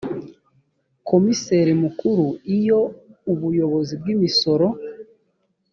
komiseri mukuru iyo ubuyobozi bw imisoro